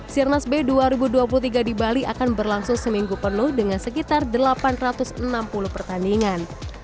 sirnas b dua ribu dua puluh tiga di bali akan berlangsung seminggu penuh dengan sekitar delapan ratus enam puluh pertandingan